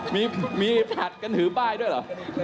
มีผลัดกันถือป้ายด้วยเหรอ